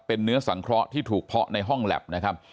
เป็นเนื้อสังเคราะห์ที่ถูกเพาะในห้องแล็บนะครับ